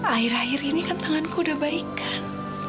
akhir akhir ini kan tanganku udah baikan